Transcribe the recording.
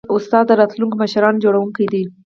استاد د راتلونکو مشرانو جوړوونکی دی.